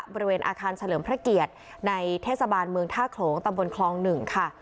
บริเวณอาคารเฉลิมพระเกียรติในเทศบาลเมืองท่าโขลงตำบลคลอง๑ค่ะ